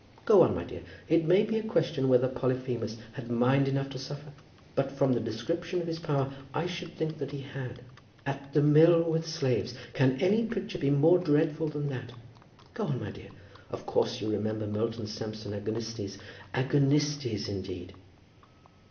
Go on, my dear. It may be a question whether Polyphemus had mind enough to suffer; but, from the description of his power, I should think that he had. 'At the mill with slaves!' Can any picture be more dreadful than that? Go on, my dear. Of course you remember Milton's Samson Agonistes. Agonistes indeed!"